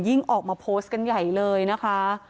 ออกมาโพสต์กันใหญ่เลยนะคะ